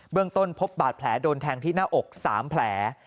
เรื่องต้นพบบาดแผลโดนแทงที่หน้าอก๓แผล